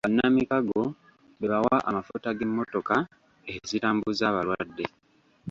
Bannamikago be bawa amafuta g'emottoka ezitambuza abalwadde.